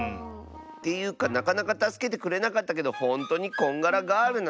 ていうかなかなかたすけてくれなかったけどほんとにこんがらガールなの？